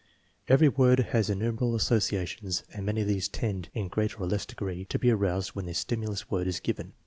Every word has in numerable associations and many of these tend, in greater or less degree, to be aroused when the stimulus word is given.